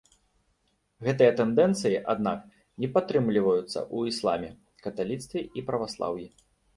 Гэтыя тэндэнцыі, аднак, не падтрымліваюцца ў ісламе, каталіцтве і праваслаўі.